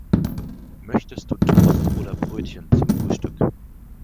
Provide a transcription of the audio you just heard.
Möchtest du Toast oder Brötchen zum Frühstück?